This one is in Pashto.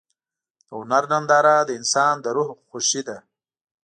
د هنر ننداره د انسان د روح خوښي ده.